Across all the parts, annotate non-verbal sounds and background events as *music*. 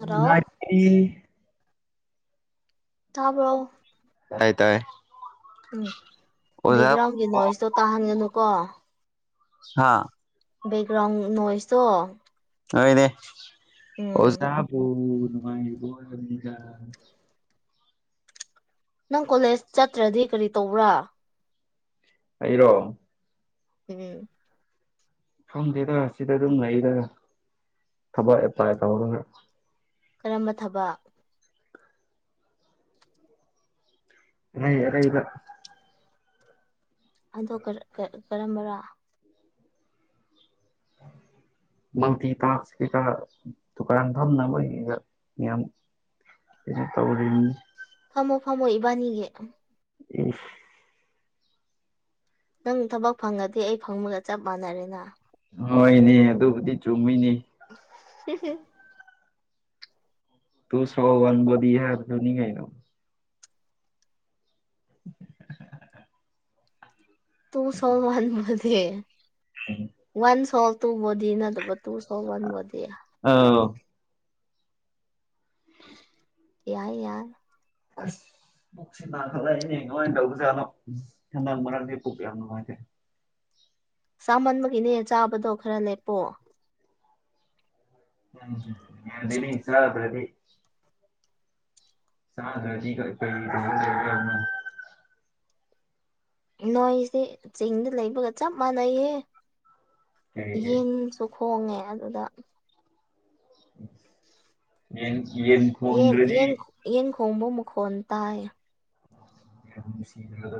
Hello ꯇꯥꯕ꯭ꯔꯣ ꯇꯥꯏ ꯇꯥꯏ ꯎꯝ ꯑꯣꯖꯥꯕꯨ ꯕꯦꯛꯒ꯭ꯔꯥꯎꯟꯒꯤ ꯅꯣꯏꯁꯇꯣ ꯇꯥꯍꯟꯒꯅꯨꯀꯣ ꯍꯥꯥ ꯕꯦꯛꯒ꯭ꯔꯥꯎꯟ ꯅꯣꯏꯁꯇꯣ ꯍꯣꯏꯅꯦ ꯎꯝ ꯑꯣꯖꯥꯕꯨ ꯅꯨꯡꯉꯥꯏꯔꯤꯕꯣ ꯍꯥꯏꯕꯅꯤꯗ ꯅꯪ ꯀꯣꯂꯦꯖ ꯆꯠꯇ꯭ꯔꯗꯤ ꯀꯔꯤ ꯇꯧꯕ꯭ꯔꯥ ꯑꯩꯔꯣ ꯎꯝ ꯈꯪꯗꯦꯗ ꯁꯤꯗ ꯑꯗꯨꯝ ꯂꯩꯗ ꯊꯕꯛ ꯑꯦꯄ꯭ꯂꯥꯏ ꯇꯧꯔꯒ ꯀꯔꯝꯕ ꯊꯕꯛ ꯑꯔꯩ ꯑꯔꯩꯕ ꯑꯗꯣ ꯀꯔ ꯀ ꯀꯔꯝꯕꯔꯥ ꯃꯜꯇꯤ ꯇꯥꯛꯁ *unintelligible* ꯗꯨꯀꯥꯟ ꯐꯝꯅꯕꯩꯒ ꯌꯥꯝ ꯀꯩꯅꯣ ꯇꯧꯔꯤꯅꯤ ꯐꯝꯃꯣ ꯐꯝꯃꯣ ꯏꯕꯥꯅꯤꯒꯤ ꯏꯁ ꯅꯪ ꯊꯕꯛ ꯐꯪꯉꯗꯤ ꯑꯩ ꯐꯪꯕꯒ ꯆꯞ ꯃꯥꯟꯅꯔꯦꯅ ꯍꯣꯏꯅꯦ ꯑꯗꯨꯕꯨꯗꯤ ꯆꯨꯝꯃꯤꯅꯦ *unintelligible* ꯇꯨꯁꯣ *unintelligible* ꯍꯥꯏꯕꯗꯨꯅꯤꯀꯩꯅꯣ *unintelligible* ꯇꯨ ꯁꯣ ꯋꯥꯟꯕꯣꯗꯤ ꯎꯝ ꯋꯥꯟ ꯁꯣꯜ ꯇꯨ ꯕꯣꯗꯤ ꯅꯠꯇꯕ ꯇꯨ ꯁꯣꯜ ꯋꯥꯟ ꯕꯣꯗꯤ ꯑꯥꯎ *unintelligible* ꯌꯥꯏ ꯌꯥꯏ ꯑꯁ ꯄꯨꯛꯁꯤ ꯅꯥꯈꯠꯂꯛꯏꯅꯦ ꯀꯃꯥꯏꯟ ꯇꯧꯕꯖꯥꯠꯅꯣ ꯑꯁ ꯍꯟꯗꯛ ꯃꯔꯥꯡꯗꯤ ꯄꯨꯛ ꯌꯥꯝ ꯅꯨꯡꯉꯥꯏꯇꯦ ꯆꯥꯃꯟꯕꯒꯤꯅꯦ ꯆꯥꯕꯗꯣ ꯈꯔ ꯂꯦꯞꯄꯣ ꯎꯝ ꯌꯥꯗꯦꯅꯦ ꯆꯥꯗ꯭ꯔꯗꯤ ꯆꯥꯗꯔꯗꯤ ꯀꯔꯤ ꯇꯧꯒꯗꯧꯒꯗꯝꯅꯣ ꯅꯣꯏꯁꯦ ꯆꯤꯡꯗ ꯂꯩꯕꯒ ꯆꯞ ꯃꯥꯟꯅꯩꯍꯦ ꯀꯔꯤ ꯀꯔꯤ ꯌꯦꯟꯁꯨ ꯈꯣꯡꯉꯦ ꯑꯗꯨꯗ ꯌꯦꯟ ꯌꯦꯟ ꯌꯦꯟ ꯈꯣꯡꯗ꯭ꯔꯗꯤ ꯌꯦꯟ ꯌꯦꯟ ꯈꯣꯡꯕ ꯃꯈꯣꯟ ꯇꯥꯏ ꯌꯥꯝ ꯅꯨꯡꯁꯤꯕꯤꯕꯗꯣ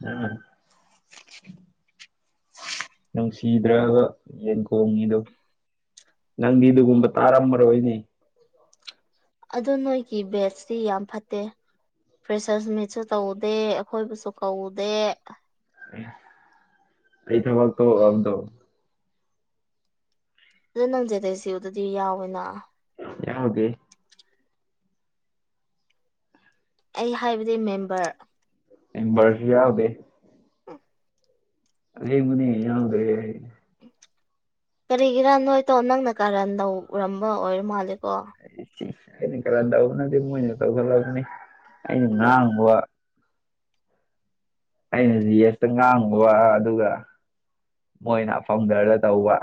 *unintelligible* ꯅꯨꯡꯁꯤꯗ꯭ꯔꯕ ꯌꯦꯟ ꯈꯣꯡꯉꯤꯗꯣ ꯅꯪꯗꯤ ꯗꯨꯒꯨꯝꯕ ꯇꯥꯔꯝꯃꯔꯣꯏꯅꯦ ꯑꯗꯨ ꯅꯣꯏꯒꯤ ꯕꯦꯁꯇꯤ ꯌꯥꯝ ꯐꯠꯇꯦ ꯐ꯭ꯔꯦꯁꯔꯁ ꯃꯤꯠꯁꯨ ꯇꯧꯗꯦ ꯑꯩꯈꯣꯏꯕꯨꯁꯨ ꯀꯧꯗꯦ ꯑꯦ ꯀꯔꯤ ꯊꯕꯛꯇꯣ ꯑꯗꯨꯝ ꯇꯧ *unintelligible* ꯑꯗꯨꯗꯤ ꯌꯥꯎꯋꯤꯅ ꯌꯥꯎꯗꯦ ꯑꯩ ꯍꯥꯏꯕꯗꯤ ꯃꯦꯝꯕꯔ ꯃꯦꯝꯕꯔꯁꯨ ꯌꯥꯎꯗꯦ ꯎꯝ ꯑꯁꯦꯡꯃꯥꯅꯦ ꯌꯥꯎꯗ꯭ꯔꯦ ꯀꯔꯤꯒꯤꯔꯥ ꯅꯣꯏꯇꯣ ꯅꯪꯅ ꯀꯥꯔꯟ ꯅꯧꯔꯝꯕ ꯑꯣꯏꯔ ꯃꯥꯜꯂꯦꯀꯣ ꯑꯩꯅ ꯀꯔꯟ ꯇꯧꯕꯅꯦ ꯑꯗꯨ ꯃꯣꯏꯅ ꯇꯧꯈꯠꯂꯛꯕꯅꯤ ꯑꯩꯅ ꯉꯥꯡꯕ ꯑꯩꯅ ꯖꯤ ꯑꯦꯁꯇ ꯉꯥꯡꯉꯨꯕ ꯑꯗꯨꯒ ꯃꯣꯏꯅ ꯐꯝꯗꯔꯗ ꯇꯧꯕ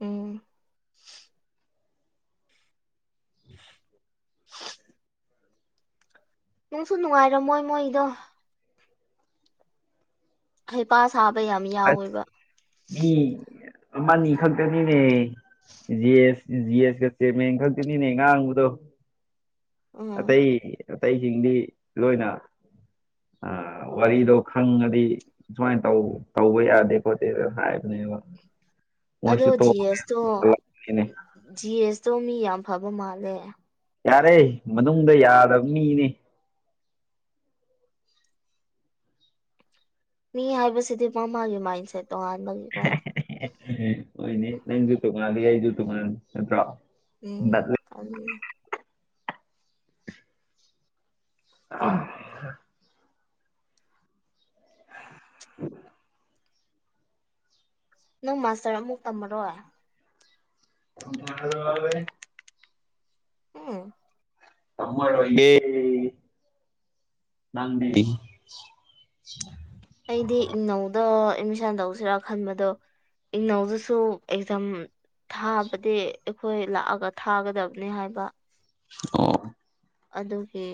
ꯎꯝ ꯅꯨꯡꯁꯨ ꯅꯨꯡꯉꯥꯏꯔꯝꯃꯣꯏ ꯃꯣꯏꯗꯣ ꯍꯩꯄꯥ ꯁꯥꯕ ꯌꯥꯝ ꯑꯁ ꯌꯥꯎꯋꯦꯕ ꯃꯤ ꯑꯃꯅꯤ ꯈꯛꯇꯅꯤꯅꯦ ꯖꯤ ꯑꯦꯁ ꯖꯤ ꯑꯦꯁꯀ ꯆꯤꯔꯃꯦꯟ ꯈꯛꯇꯅꯤꯅꯦ ꯉꯥꯡꯕꯗꯣ ꯎꯝ ꯑꯇꯩ ꯑꯇꯩꯁꯤꯡꯗꯤ ꯂꯣꯏꯅ ꯑ ꯋꯥꯔꯤꯗꯣ ꯈꯪꯉꯗꯤ ꯑꯁꯨꯃꯥꯏꯟ ꯇꯧ ꯇꯧꯕ ꯌꯥꯗꯦꯀꯣꯠꯇꯦꯗꯪ ꯍꯥꯏꯕꯅꯦꯕ ꯑꯗꯣ ꯃꯣꯏꯁꯨ ꯖꯤ ꯑꯦꯁꯇꯣ *unintelligible* ꯖꯤ ꯑꯦꯁꯇꯣ ꯃꯤ ꯌꯥꯝ ꯐꯕ ꯃꯥꯜꯂꯦ ꯌꯥꯔꯦ ꯃꯅꯨꯡꯗ ꯌꯥꯗꯕ ꯃꯤꯅꯤ ꯃꯤ ꯍꯥꯏꯕꯁꯤꯗꯤ ꯃꯥꯃꯥꯒꯤ ꯃꯥꯏꯟꯁꯦꯠ ꯇꯣꯉꯥꯟꯕꯒꯤꯀꯣ ꯍꯨꯏꯅꯦ ꯍꯣꯏꯅꯦ ꯅꯪꯁꯨ ꯇꯣꯡꯉꯥꯜꯂꯤ ꯑꯩꯁꯨ ꯇꯣꯡꯉꯥꯜꯂꯤ ꯅꯠꯇ꯭ꯔꯣ ꯅꯠꯂꯦ. *unintelligible* ꯑ ꯎ ꯅꯪ ꯃꯥꯁꯇꯔ ꯑꯃꯨꯛ ꯇꯝꯃꯔꯣ *unintelligible* ꯎ ꯇꯝꯃꯔꯣꯏꯒꯦ ꯂꯥꯡꯗꯦ ꯑꯩꯗꯤ ꯏꯪꯅꯧ ꯑꯗꯣ ꯑꯦꯠꯃꯤꯁꯟ ꯇꯧꯁꯤꯔꯥ ꯈꯟꯕꯗꯣ ꯏꯅꯧꯗꯨꯁꯨ ꯑꯦꯛꯖꯝ ꯊꯥꯕꯗꯤ ꯑꯩꯈꯣꯏ ꯂꯥꯛꯑꯒ ꯊꯥꯒꯗꯕꯅꯤ ꯍꯥꯏꯕ ꯑꯣ ꯑꯗꯨꯒꯤ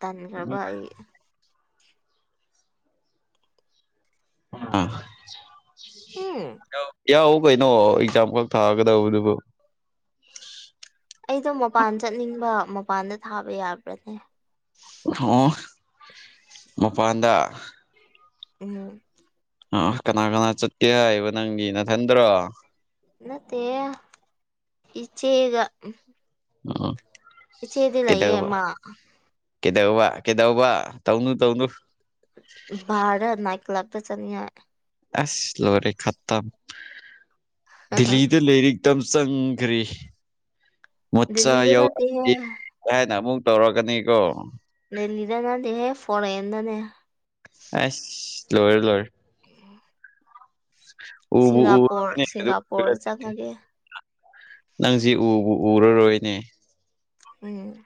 ꯇꯟꯈ꯭ꯔꯕ ꯑꯩ ꯑ ꯎꯝ ꯌꯥꯎ ꯀꯩꯅꯣ ꯑꯦꯛꯖꯥꯝꯈꯛ ꯊꯥꯒꯗꯧꯕꯗꯨꯕꯨ ꯑꯩꯗꯣ ꯃꯄꯥꯟ ꯆꯠꯅꯤꯡꯕ ꯃꯄꯥꯟꯗ ꯊꯥꯕ ꯌꯥꯕ꯭ꯔꯅꯦ *unintelligible* ꯃꯄꯥꯟꯗ ꯎꯝ ꯑꯥ ꯀꯅꯥ ꯀꯅꯥ ꯆꯠꯀꯦ ꯍꯥꯏꯕ ꯅꯪꯒꯤ ꯅꯊꯟꯗ꯭ꯔꯣ ꯅꯠꯇꯦ ꯏꯆꯦꯒ ꯎ ꯏꯆꯦꯗꯤ ꯂꯩꯌꯦ ꯑꯃ ꯀꯩꯗꯧꯕ ꯀꯩꯗꯧꯕ ꯇꯧꯅꯨ ꯇꯧꯅꯨ ꯕꯥꯥꯔꯗ ꯅꯥꯏꯗ ꯀꯂꯞꯇ ꯆꯠꯅꯤꯡꯉꯥꯏ ꯑꯁ ꯂꯣꯏꯔꯦ ꯈꯠꯇꯝ ꯗꯤꯂꯤꯗ ꯂꯩꯔꯤꯛ ꯇꯝ ꯆꯪꯒ꯭ꯔꯦ ꯃꯣꯠꯆꯥ ꯗꯦꯜꯂꯤꯗ ꯌꯥꯎꯔꯛ ꯅꯠꯇꯦꯍꯦ ꯑꯦ ꯍꯥꯏꯅ ꯑꯃꯨꯛ ꯇꯧꯔꯛꯀꯅꯤꯀꯣ ꯗꯦꯂꯤꯗ ꯅꯠꯇꯦ ꯍꯦ ꯐꯣꯔꯦꯟꯗꯅꯦ ꯑꯁ ꯂꯣꯏꯔꯦ ꯂꯣꯏꯔꯦ ꯎꯕꯨ ꯁꯤꯡꯒꯥꯄꯨꯔ ꯎꯔꯅꯤ ꯑꯗꯨ ꯁꯤꯡꯒꯥꯄꯨꯔ ꯆꯪꯉꯒꯦ ꯅꯪꯖꯤ ꯎꯕꯨ ꯎꯔ ꯔꯣꯏꯅꯦ ꯎꯝ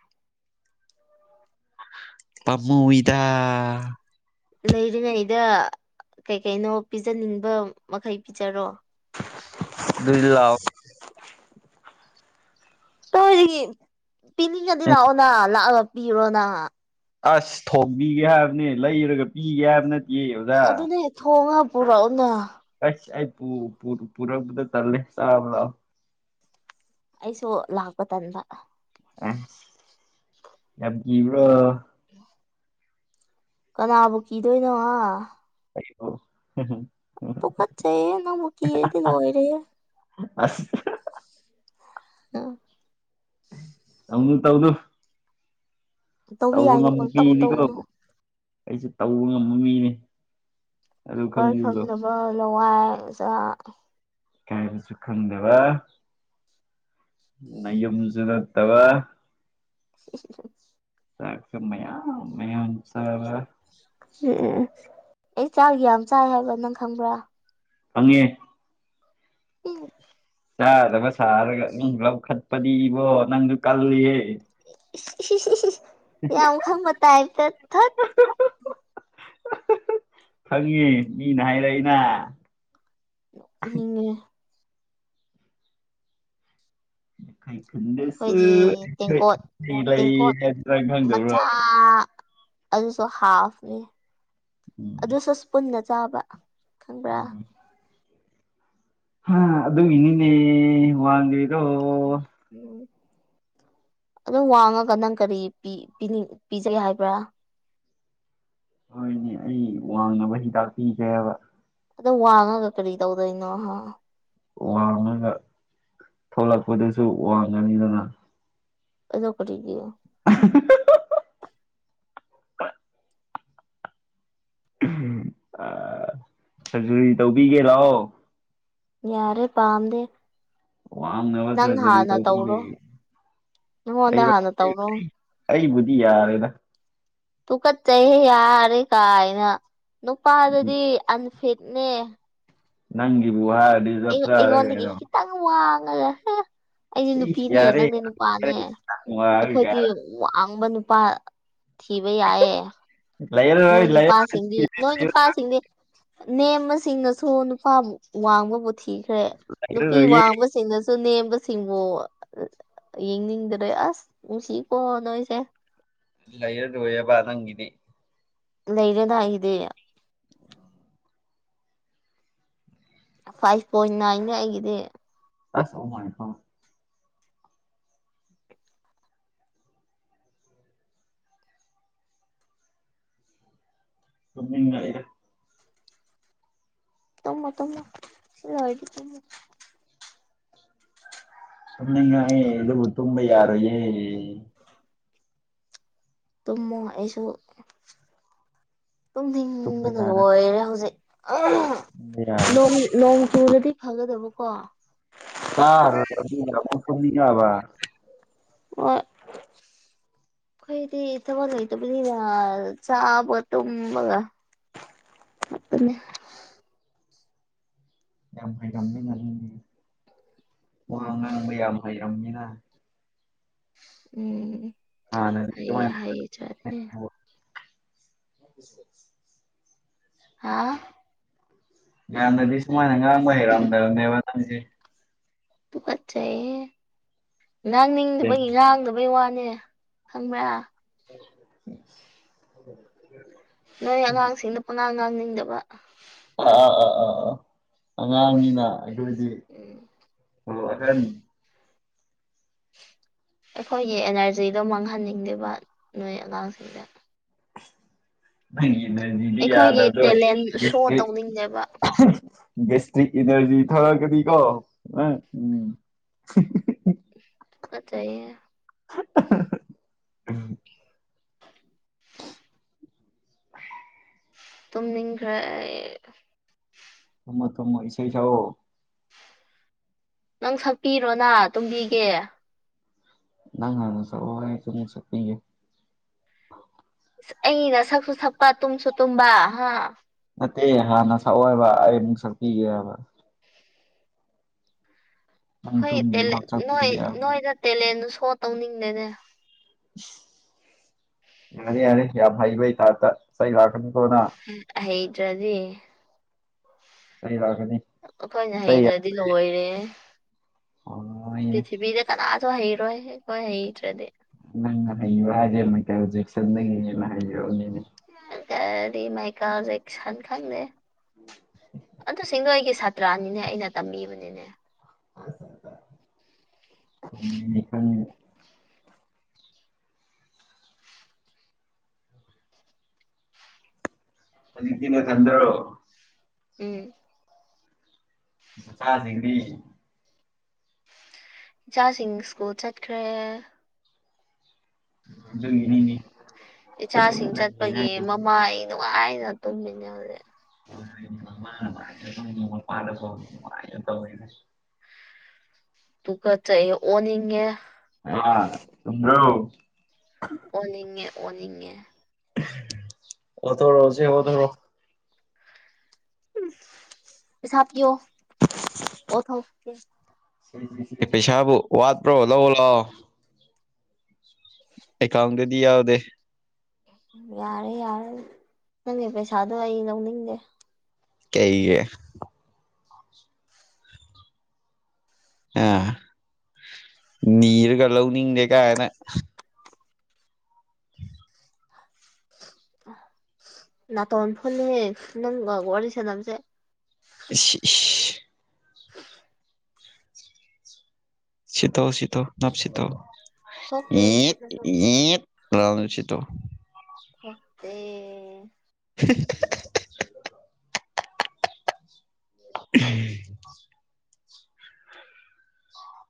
ꯄꯥꯝꯃꯨꯏꯗ ꯂꯩꯔꯤꯉꯩꯩꯗ ꯀꯩꯀꯩꯅꯣ ꯄꯤꯖꯅꯤꯡꯕ ꯃꯈꯩ ꯄꯤꯖꯔꯣ ꯑꯗꯨꯏꯗꯤ ꯂꯥꯛꯑꯣ ꯗꯣꯏꯗꯤ ꯄꯤꯅꯤꯡꯉꯗꯤ ꯂꯥꯛꯑꯣꯅ ꯂꯥꯛꯑꯒ ꯄꯤꯔꯣꯅꯥ ꯑꯁ ꯊꯣꯡꯕꯤꯒꯦ ꯍꯥꯏꯕꯅꯦ ꯂꯩꯔꯒ ꯄꯤꯒꯦ ꯍꯥꯏꯕ ꯅꯠ ꯑꯗꯨꯅꯦ ꯊꯣꯡꯉꯒ ꯄꯨꯔꯛꯑꯣꯅ ꯑꯁ ꯑꯩ ꯄꯨ ꯄꯨ ꯄꯨꯔꯛꯄꯗꯣ ꯇꯜꯂꯦ ꯆꯥꯔꯨ ꯂꯥꯛꯑꯣ ꯑꯩꯁꯨ ꯂꯥꯛꯄ ꯇꯟꯕ ꯑꯁ ꯌꯥꯝ ꯀꯤꯕ꯭ꯔꯣ *inaudible* ꯀꯅꯥꯕꯨ ꯀꯤꯗꯣꯏꯅꯣ ꯍꯥ ꯑꯩꯕꯨ ꯇꯨꯀꯠꯆꯩꯍꯦ ꯅꯪꯕꯨ ꯀꯤꯔꯗꯤ ꯂꯣꯏꯔꯦꯍꯦ ꯑꯁ ꯍꯥ ꯍꯥ ꯑ ꯇꯧꯅꯨ ꯇꯧꯅꯨ ꯇꯧꯕ ꯌꯥꯏꯅ ꯉꯝꯕ ꯄꯪꯇꯧ ꯃꯤꯅꯤꯀꯣ ꯇꯧꯒꯅꯨ ꯑꯩꯁꯨ ꯇꯧꯕ ꯉꯝꯕ ꯃꯤꯅꯤ ꯑꯗꯨ ꯏꯀꯥꯏ ꯈꯪꯕꯤꯕ꯭ꯔꯣ ꯈꯪꯗꯕ ꯂꯋꯥꯏ ꯃꯆꯥ ꯏꯀꯥꯏꯕꯁꯨ ꯈꯪꯗꯕꯥ ꯅꯌꯨꯝꯁꯨ ꯅꯠꯇꯕ ꯎꯝ ꯎꯝ ꯆꯥꯛꯁꯨ ꯃꯌꯥꯝ ꯃꯌꯥꯝ ꯆꯥꯕ ꯎꯝꯎꯝ ꯑꯩ ꯆꯥꯛ ꯌꯥꯝ ꯆꯥꯏ ꯍꯥꯏꯕ ꯅꯪ ꯈꯪꯕ꯭ꯔꯥ ꯈꯪꯉꯦ *unintelligible* ꯆꯥꯗꯕ ꯁꯥꯔꯒ ꯃꯤ ꯂꯧꯈꯠꯄꯗꯤ ꯏꯕꯣ ꯅꯪꯁꯨ ꯀꯜꯂꯤꯍꯦ ꯏꯁꯤꯁ ꯁꯤꯁ ꯁꯤꯁ ꯌꯥꯝ ꯈꯪꯕ ꯇꯥꯏꯞꯇ ꯊꯠ ꯈꯣꯉꯦ ꯃꯤꯅ ꯍꯥꯏꯔꯛꯏꯅ ꯅꯣꯛꯅꯤꯡꯉꯦ ꯑꯩꯈꯣꯏꯗꯤ ꯇꯦꯡꯀꯣꯠ ꯇꯦꯡꯀꯣꯠ ꯃꯆꯥ ꯑꯗꯨꯁꯨ ꯍꯥꯐꯅꯤ ꯑꯗꯨꯁꯨ ꯁ꯭ꯄꯨꯟꯅ ꯆꯥꯕ ꯈꯪꯕ꯭ꯔꯥ ꯍꯥ ꯑꯗꯨꯒꯤꯅꯤꯅꯦ ꯋꯥꯡꯗ꯭ꯔꯤꯗꯣ ꯎꯝ ꯑꯗꯨ ꯋꯥꯡꯉꯒ ꯅꯪ ꯀꯔꯤ ꯄꯤ ꯄꯤꯅꯤꯡ ꯄꯤꯖꯒꯦ ꯍꯥꯏꯕ꯭ꯔꯥ ꯍꯣꯏꯅꯦ ꯑꯩ ꯋꯥꯡꯅꯕ ꯍꯤꯗꯥꯛ ꯄꯤꯒꯦ ꯍꯥꯏꯕ ꯑꯗꯣ ꯋꯥꯡꯉꯒ ꯀꯔꯤ ꯇꯧꯗꯣꯏꯅꯣ ꯍꯥ ꯋꯥꯡꯉꯒ ꯊꯣꯛꯂꯛꯄꯗꯁꯨ ꯋꯥꯡꯉꯅꯤꯗꯅ ꯑꯗꯣ ꯀꯔꯤꯒꯤ *unintelligible* *unintelligible* ꯁꯔꯖꯔꯤ ꯇꯧꯕꯤꯒꯦ ꯂꯥꯛꯑꯣ ꯌꯥꯔꯦ ꯄꯥꯝꯗꯦ ꯋꯥꯡꯅꯕ ꯅꯪ ꯁꯔꯖꯔꯤ ꯍꯥꯟꯅ ꯇꯧꯕꯤꯒꯦ ꯇꯧꯔꯣ ꯅꯪꯉꯣꯟꯗ ꯑꯩꯔꯣ ꯍꯥꯟꯅ ꯇꯧꯔꯣ ꯑꯩꯕꯨꯗꯤ ꯌꯥꯔꯦꯗ ꯇꯨꯀꯠꯆꯩꯍꯦ ꯌꯥꯔꯦ ꯀꯥꯏꯅ ꯅꯨꯄꯥꯗꯗꯤ ꯑꯟꯐꯤꯠ ꯅꯦ ꯅꯪꯒꯤꯕꯨ ꯍꯥꯏꯔꯗꯤ ꯆꯞ ꯆꯥꯔꯦ ꯑꯩꯉꯣꯟꯗꯒꯤ ꯀꯩꯅꯣ ꯈꯤꯇꯪ ꯋꯥꯡꯉꯒ ꯍꯥ ꯑꯩꯗꯤ ꯅꯨꯄꯤꯅꯦ ꯅꯪꯅ ꯅꯨꯄꯥꯅꯦ ꯑꯩꯈꯣꯏꯗꯤ ꯋꯥꯡꯕ ꯅꯨꯄꯥ ꯊꯤꯕ ꯌꯥꯏꯌꯦ ꯅꯣꯏ ꯅꯨꯄꯥꯁꯤꯡꯗꯤ ꯅꯣꯏ ꯅꯨꯄꯥꯁꯤꯡꯗꯤ ꯅꯦꯝꯕꯁꯤꯡꯅꯁꯨ ꯅꯨꯄꯥꯕꯨ ꯋꯥꯡꯕꯕꯨ ꯊꯤ ꯈ꯭ꯔꯦ ꯅꯨꯄꯤ ꯋꯥꯡꯕꯁꯤꯡꯅꯁꯨ ꯅꯦꯝꯕꯁꯤꯡꯕꯨ ꯌꯦꯡꯅꯤꯡꯗ꯭ꯔꯦ ꯑꯁ ꯅꯨꯡꯁꯤꯀꯣ ꯅꯣꯏꯁꯦ ꯂꯩꯔꯔꯣꯏꯑꯕ ꯅꯪꯒꯤꯗꯤ ꯂꯩꯔꯗꯥꯏ ꯑꯩꯒꯤ ꯐꯥꯏꯚ ꯄꯣꯏꯟ ꯅꯥꯏꯟꯅꯦ ꯑꯩꯒꯤꯗꯤ ꯑꯁ ꯑꯣ ꯃꯥꯏ ꯒꯣ ꯇꯨꯝꯅꯤꯡꯔꯛꯑꯦꯍꯦ ꯇꯨꯝꯃꯣ ꯇꯨꯝꯃꯣ ꯁꯤ ꯂꯣꯏꯔꯗꯤ ꯇꯨꯝꯃꯣ ꯇꯨꯝꯅꯤꯡꯉꯛꯑꯦ ꯑꯗꯨꯕꯨ ꯇꯨꯝꯕ ꯌꯥꯔꯣꯏꯌꯦ ꯇꯨꯝꯃꯣ ꯑꯩꯁꯨ ꯇꯨꯝꯕ ꯇꯨꯝꯅꯤꯡꯕꯅ ꯌꯥꯔꯣꯏ ꯂꯣꯏꯔꯦ ꯍꯧꯖꯤꯛ ꯇꯨꯝꯕ ꯌꯥꯔꯣꯏ ꯅꯣꯡ ꯅꯣꯡ ꯆꯨꯔꯗꯤ ꯐꯒꯗꯕꯀꯣ ꯆꯥ ꯂꯣꯏꯔꯛꯑꯝꯅꯤꯅ ꯑꯃꯨꯛ ꯇꯨꯝꯅꯤꯡꯉꯛꯑꯕ ꯑꯣꯏ ꯑꯩꯈꯣꯏꯗꯤ ꯊꯕꯛ ꯂꯩꯇꯕꯅꯤꯅ ꯆꯥꯕꯒ ꯇꯨꯝꯕꯒ ꯑꯗꯨꯅꯦ ꯌꯥꯝ ꯍꯩꯔꯝꯃꯤꯅ ꯅꯪꯗꯤ ꯋꯥ ꯎꯝ ꯉꯥꯡꯕ ꯌꯥꯝ ꯍꯩꯔꯝꯃꯤꯅ ꯎꯝ ꯍꯥꯟꯅꯗꯤ ꯍꯩ ꯁꯨꯃꯥꯏꯅ ꯍꯥꯏ ꯆꯥꯠꯅꯦ *unintelligible* ꯍꯥ ꯌꯥꯝꯅꯗꯤ ꯁꯨꯃꯥꯏꯅ ꯉꯥꯡꯕ ꯍꯩꯔꯝꯗꯕꯅꯦꯕ ꯅꯪꯖꯦ ꯇꯨꯀꯠꯆꯩꯍꯦ ꯉꯥꯡꯅꯤꯡꯗꯕꯒꯤ ꯉꯥꯡꯗꯕꯩ ꯋꯥꯅꯦ ꯈꯪꯕ꯭ꯔꯥ *unintelligible* ꯅꯣꯏ ꯑꯉꯥꯡꯁꯤꯡꯗ ꯄꯪꯉꯥꯡ ꯉꯥꯡꯅꯤꯡꯗꯕ ꯑꯥ ꯑꯥ ꯑꯥ ꯑꯥ ꯑꯥ ꯑꯉꯥꯡꯅꯤꯅ ꯑꯗꯨꯗꯤ ꯎꯝ ꯑꯣ ꯑꯍꯟ ꯑꯩꯈꯣꯏꯒꯤ ꯑꯦꯅꯔꯖꯤꯗꯣ ꯃꯥꯡꯍꯟꯅꯤꯡꯗꯦꯕ ꯅꯣꯏ ꯑꯉꯥꯡꯁꯤꯡꯗ ꯗꯤꯒꯤ ꯏꯅꯔꯖꯤꯗꯤ ꯑꯩꯈꯣꯏꯒꯤ ꯌꯥꯗꯕꯗꯣ ꯇꯦꯂꯦꯟ ꯁꯣ ꯒꯦꯁꯇ꯭ꯔꯤꯛ ꯇꯧꯅꯤꯡꯗꯦꯕ ꯒꯦꯁꯇ꯭ꯔꯤꯛ ꯏꯅꯔꯖꯤ ꯊꯛꯑꯒꯗꯤꯀꯣ ꯅꯪ ꯎꯝ ꯇꯨꯀꯠꯆꯩꯍꯦ *unintelligible* ꯇꯨꯝ ꯅꯤꯡꯈ꯭ꯔꯦ ꯑꯩ ꯊꯨꯝꯃ‌ꯣ ꯊꯨꯝꯃ‌ꯣ ꯏꯁꯩ ꯁꯛꯑ‌ꯣ ꯅꯪ ꯁꯛꯄꯤꯔꯣꯅ ꯇꯨꯝꯕꯤꯒꯦ ꯅꯪ ꯍꯥꯟꯅ ꯁꯛꯑ‌ꯣ ꯑꯩꯁꯨ ꯑꯃꯨꯛ ꯁꯛꯄꯤꯒ‌ꯦ ꯑꯩꯅ ꯁꯛꯁꯨ ꯁꯛꯄ ꯇꯨꯝꯁꯨ ꯇꯨꯝꯕ ꯍꯥ ꯅꯠꯇꯦ ꯍꯥꯟꯅ ꯁꯛꯑꯣꯏꯕ ꯑꯩ ꯑꯃꯅꯨꯡ ꯁꯛꯄꯤꯒꯦ ꯍꯥꯏꯕ ꯅꯪ ꯇꯨꯝꯗ꯭ꯔꯤꯐꯥꯎ ꯑꯩꯈꯣꯏ ꯅꯣꯏ ꯁꯛꯄꯤꯒꯦ ꯍꯥꯏꯕ ꯅꯣꯏꯗ ꯇꯦꯂꯦꯟꯗꯨ ꯁꯣ ꯇꯧꯅꯤꯡꯗꯦꯅꯦ ꯌꯥꯔ‌ꯦ ꯌꯥꯔꯦ ꯌꯥꯝ ꯍꯩꯕꯩ ꯇꯥꯏꯞꯇ ꯆꯩ ꯂꯥꯛꯀꯅꯤꯀ‌ꯣ ꯑꯉꯥꯡ ꯍꯩ ꯇ꯭ꯔꯗꯤ ꯆꯩ ꯂꯥꯛꯀꯅꯤ ꯑꯩꯈꯣꯏꯅ ꯆꯩ ꯍꯩꯗ꯭ꯔꯗꯤ ꯂꯣꯏꯔꯦꯍ‌ꯦ ꯍꯣꯏꯅꯦ ꯄ꯭ꯔꯤꯊꯤꯕꯤꯗ ꯀꯅꯥꯁꯨ ꯍꯩꯔꯣꯏ ꯑꯩꯈꯣꯏ ꯍꯩꯇꯔꯗꯤ ꯅꯪꯅ ꯍꯩꯕꯥ ꯍꯥꯏꯖꯦ ꯃꯥꯏꯀ‌ꯦꯜ ꯖꯦꯛꯁꯟꯗꯒꯤ‌ ꯍ‌ꯦꯟꯅ *unintelligible* ꯍꯥꯏꯌꯣ ꯅꯅꯦ ꯀꯔꯤ ꯃꯥꯏꯀꯦꯜ ꯖ‌ꯦꯛꯁꯟ ꯈꯪꯗꯦ ꯑꯗꯨꯁꯤꯡꯗꯣ ꯑꯩꯒꯤ ꯁꯥ ꯆꯠꯇ꯭ꯔꯥꯅꯤꯅꯦ ꯑꯩꯅ ꯇꯝꯕꯤꯕꯅꯤꯅꯦ ꯑ *unintelligible* ꯍꯧꯖꯤꯛꯇꯤ ꯅꯊꯟꯗꯔ‌ꯣ ꯎꯝ ꯅꯨꯄꯥꯁꯤꯡꯗꯤ ꯏꯆꯥꯁꯤꯡ ꯁ꯭ꯀꯨꯜ ꯆꯠꯈ꯭ꯔꯦ ꯑꯗꯨꯒꯤꯅꯤꯅꯦ ꯏꯆꯥꯁꯤꯡ ꯇꯨꯃꯤꯟꯅ ꯂꯩꯌꯦ ꯆꯠꯄꯒꯤ ꯅꯪꯒꯤꯁꯦ ꯃꯃꯥ ꯑꯩ ꯅꯨꯡꯉꯥꯏꯅ ꯇꯨꯝꯃꯤꯅꯦ ꯍꯧꯖꯤꯛ *unintelligible* ꯇꯨꯒꯠꯆꯩ ꯑꯣꯅꯤꯡꯉꯦ *unintelligible* ꯑꯣꯅꯤꯡꯉꯦ ꯑꯣꯅꯤꯡꯉꯦ ꯑꯣꯊꯣꯔꯣꯁꯦ ꯑꯣꯊꯣꯔꯣ *unintelligible* ꯄꯩꯁꯥ ꯄꯤꯌꯣ ꯑꯣꯊꯣꯛꯀꯦ ꯄꯩꯁꯥꯕꯨ ꯋꯥꯠꯄ꯭ꯔꯣ ꯂꯧ ꯂꯥꯎ ꯑꯦꯀꯥꯎꯟꯗꯗꯤ ꯌꯥꯎꯗꯦ ꯌꯥꯔꯦ ꯌꯥꯔꯦ ꯅꯪꯒꯤ ꯄꯩꯁꯥꯗꯣ ꯑꯩ ꯂꯧꯅꯤꯡꯗꯦ ꯀꯩꯌ‌ꯦ ꯍꯥ ꯅꯤꯔꯒ ꯂꯧꯅꯤꯡꯗꯦ ꯀꯥꯏꯅ ꯅꯥꯇꯣꯟ ꯐꯨꯜꯂꯦꯍꯦ ꯅꯪꯒ ꯋꯥꯔꯤ ꯁꯥꯟꯅꯕꯁꯦ *unintelligible* ꯁꯤꯠꯇꯣ ꯁꯤꯠꯇꯣ ꯅꯞ ꯁꯤꯠꯇꯣ ꯊꯣꯛꯇꯦ ꯁꯤꯠꯂꯁꯨ ꯂꯥꯎꯅ ꯁꯤꯠꯇꯣ ꯊꯣꯛꯇꯦ *unintelligible* *unintelligible*